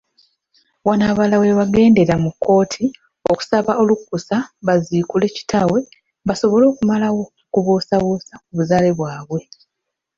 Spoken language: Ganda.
Wano abalala webaagendera mu kkooti okusaba olukusa baziikula kitaabwe basobole okumalawo okubuusabussa kubuzaale bwabwe.